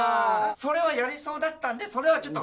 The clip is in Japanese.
それはやりそうだったんでそれはちょっと。